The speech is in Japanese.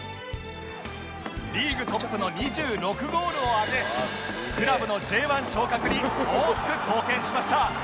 リーグトップの２６ゴールを挙げクラブの Ｊ１ 昇格に大きく貢献しました